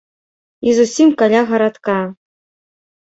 І зусім каля гарадка!